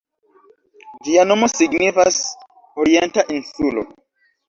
Ĝia nomo signifas "Orienta insulo".